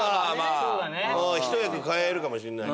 一役買えるかもしれない。